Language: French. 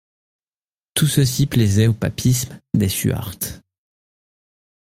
Tout ceci plaisait au papisme des Stuarts.